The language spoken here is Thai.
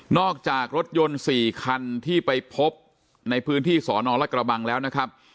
อกจากรถยนต์๔คันที่ไปพบในพื้นที่สอนอรัฐกระบังแล้วนะครับ